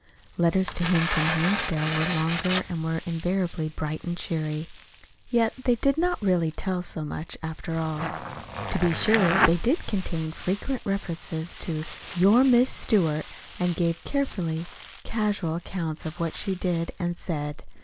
Letters to him from Hinsdale were longer and were invariably bright and cheery. Yet they did not really tell so much, after all. To be sure, they did contain frequent reference to "your Miss Stewart," and gave carefully casual accounts of what she did and said.